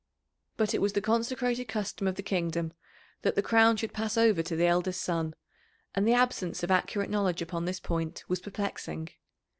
But it was the consecrated custom of the kingdom that the crown should pass over to the eldest son, and the absence of accurate knowledge upon this point was perplexing.